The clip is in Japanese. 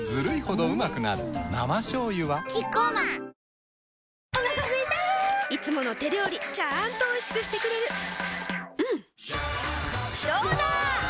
生しょうゆはキッコーマンお腹すいたいつもの手料理ちゃんとおいしくしてくれるジューうんどうだわ！